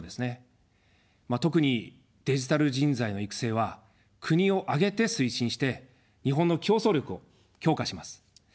特にデジタル人材の育成は国を挙げて推進して、日本の競争力を強化します。